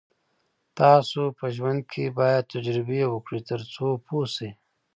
تاسو په ژوند کې باید تجربې وکړئ تر څو پوه شئ.